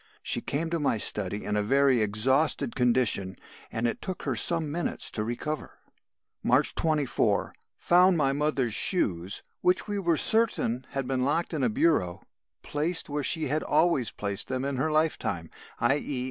She came to my study in a very exhausted condition, and it took her some minutes to recover. "March 24. Found my mother's shoes, which we were certain had been locked up in a bureau, placed where she had always placed them in her lifetime _i.e.